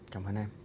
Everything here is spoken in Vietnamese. cảm ơn em